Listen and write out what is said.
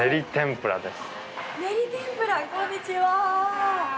こんにちは。